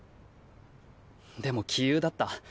でも杞憂だった。